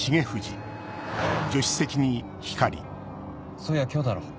そういや今日だろ？